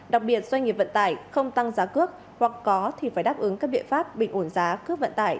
đặc biệt doanh nghiệp vận tải không tăng giá cước hoặc có thì phải đáp ứng các biện pháp bình ổn giá cước vận tải